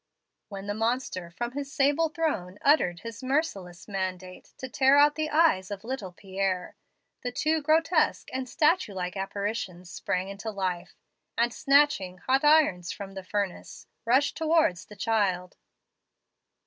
"When the monster from his sable throne uttered his merciless mandate to tear out the eyes of little Pierre, the two grotesque and statue like apparitions sprang into life, and, snatching hot irons from the furnace, rushed towards the child.